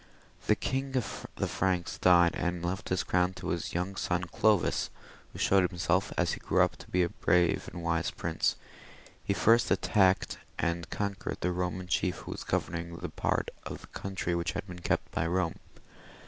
The King of the Franks died and left his crown to his young son Clovis, who showed himself, as he grew up, to be a wise and brave prince. He first attacked and con quered the Roman chief who was governing the part of the country which had been kept by Eome.